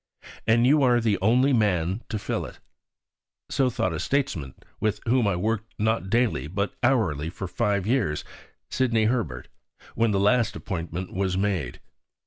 And you are the only man to fill it. So thought a statesman with whom I worked not daily, but hourly, for five years, Sidney Herbert when the last appointment was made.